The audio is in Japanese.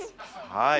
はい。